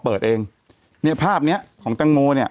แต่หนูจะเอากับน้องเขามาแต่ว่า